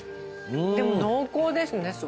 でも濃厚ですね